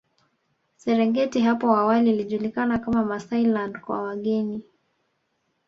Serengeti hapo awali ilijulikana kama Maasailand kwa wageni